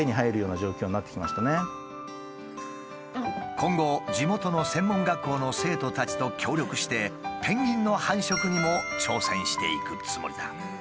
今後地元の専門学校の生徒たちと協力してペンギンの繁殖にも挑戦していくつもりだ。